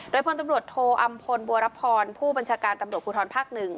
โดยพลตำรวจโทอำพลบัวรับพรผู้บัญชาการตำรวจภูทรภาค๑